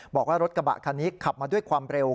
บอกว่ารถกระบะคันนี้ขับมาด้วยความเร็ว